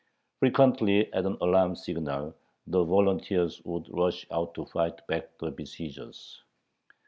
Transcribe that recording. Frequently at an alarm signal the volunteers would rush out to fight back the besiegers.